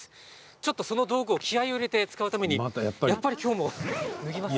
ちょっと、その道具を気合いを入れて使うためにやっぱりきょうも脱ぎます。